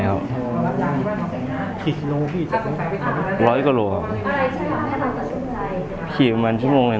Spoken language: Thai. เราเลยกำลังไป